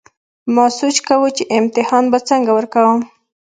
ما سوچ کوو چې امتحان به څنګه ورکوم